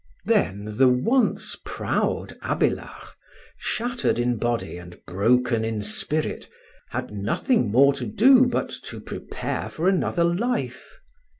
Then the once proud Abélard, shattered in body and broken in spirit, had nothing more to do but to prepare for another life.